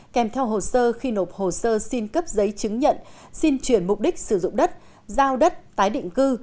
kèm theo hồ sơ khi nộp hồ sơ xin cấp giấy chứng nhận xin chuyển mục đích sử dụng đất giao đất tái định cư